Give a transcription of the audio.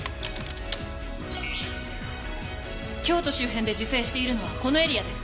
京都周辺で自生しているのはこのエリアです。